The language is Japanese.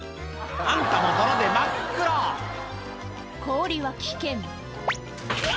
あんたも泥で真っ黒氷は危険ウワ！